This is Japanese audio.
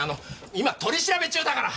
今取り調べ中だから！